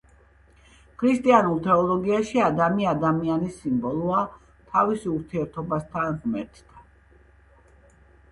ქრისტიანულ თეოლოგიაში ადამი ადამიანის სიმბოლოა თავის ურთიერთობასთან ღმერთთან.